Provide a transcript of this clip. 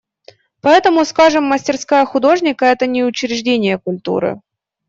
Поэтому, скажем, мастерская художника – это не учреждение культуры.